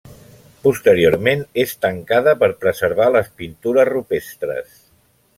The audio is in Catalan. Posteriorment és tancada per preservar les pintures rupestres.